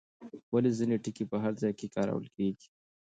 ولې ځینې ټکي په هر ځای کې کارول کېږي؟